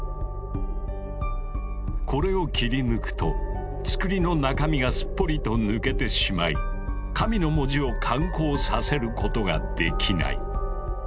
これを切り抜くと「つくり」の中身がすっぽりと抜けてしまい「神」の文字を感光させることができない。